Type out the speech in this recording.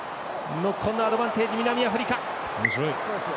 ノックオンのアドバンテージ南アフリカ。